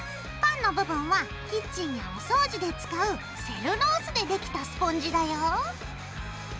パンの部分はキッチンやお掃除で使うセルロースでできたスポンジだよ。